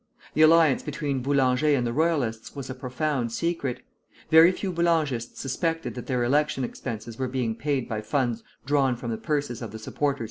The alliance between Boulanger and the Royalists was a profound secret. Very few Boulangists suspected that their election expenses were being paid by funds drawn from the purses of the supporters of monarchy.